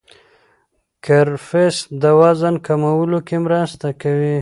کرفس د وزن کمولو کې مرسته کوي.